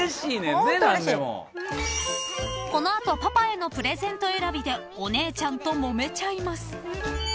［この後パパへのプレゼント選びでお姉ちゃんともめちゃいます］